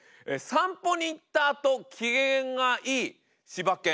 散歩に行ったあと機嫌がいいしば犬。